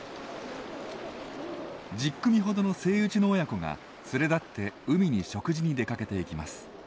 １０組ほどのセイウチの親子が連れ立って海に食事に出かけていきます。